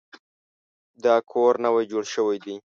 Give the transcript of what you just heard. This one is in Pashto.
دا کور نوی جوړ شوی دی